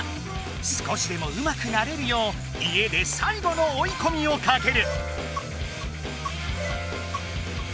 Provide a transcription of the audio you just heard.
少しでも上手くなれるよう家で最後の追いこみをかける！